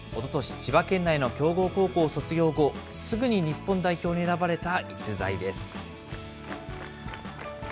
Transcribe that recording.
千葉県内の強豪高校を卒業後、すぐに日本代表に選ばれた逸材です。